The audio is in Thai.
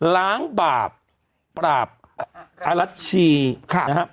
ล้างบาปปราบอลัชชีนะครับ